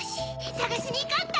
さがしにいこうっと！